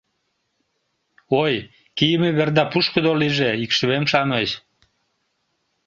Ой, кийыме верда пушкыдо лийже, икшывем-шамыч!